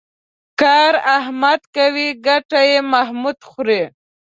کار احمد کوي ګټه یې محمود خوري.